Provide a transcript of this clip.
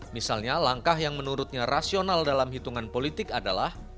misalnya langkah yang menurutnya rasional dalam hitungan politik adalah